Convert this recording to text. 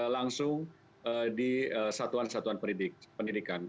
langsung di satuan satuan pendidikan